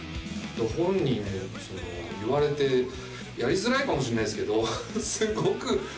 本人言われてやりづらいかもしれないですけど。